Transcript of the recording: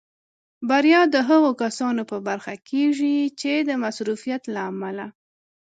بریا د هغو کسانو په برخه کېږي چې د مصروفیت له امله.